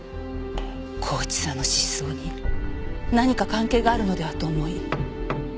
孝一さんの失踪に何か関係があるのではと思い